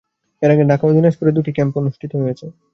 এর আগে ঢাকা ও দিনাজপুরে দুটি ক্যাম্প অনুষ্ঠিত হয়েছে।